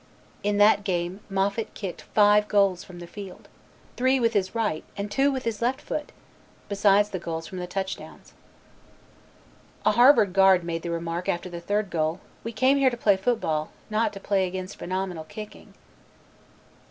In that game Moffat kicked five goals from the field, three with his right and two with his left foot, besides the goals from the touchdowns. A Harvard guard made the remark after the third goal, "We came here to play football, not to play against phenomenal kicking."